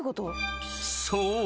［そう。